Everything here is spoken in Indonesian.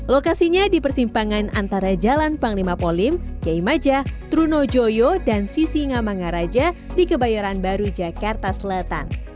lokasinya di persimpangan antara jalan panglima polim keimaja trunojoyo dan sisingamangaraja di kebayoran baru jakarta selatan